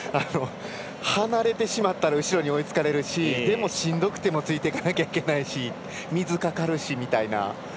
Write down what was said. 離れてしまったら後ろに追いつかれるしでも、しんどくてもついていかなきゃいけないし水かかるしみたいな。